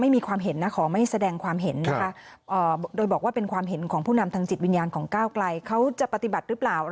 อาจจะเสนอของนายกที่ชื่อ